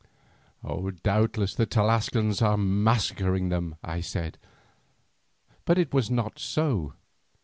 "Doubtless the Tlascalans are massacring them," I said. But it was not so.